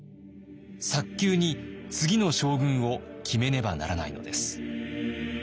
早急に次の将軍を決めねばならないのです。